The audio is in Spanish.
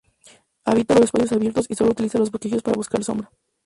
Habita los espacios abiertos y solo utiliza los bosquecillos para buscar sombra.